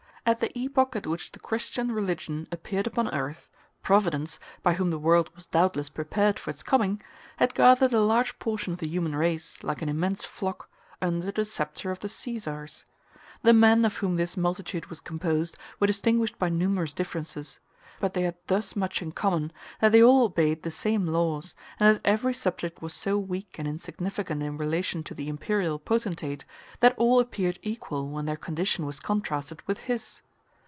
At the epoch at which the Christian religion appeared upon earth, Providence, by whom the world was doubtless prepared for its coming, had gathered a large portion of the human race, like an immense flock, under the sceptre of the Caesars. The men of whom this multitude was composed were distinguished by numerous differences; but they had thus much in common, that they all obeyed the same laws, and that every subject was so weak and insignificant in relation to the imperial potentate, that all appeared equal when their condition was contrasted with his.